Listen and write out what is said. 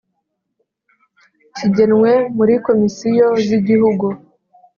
kigenwe muri Komisiyo z Igihugu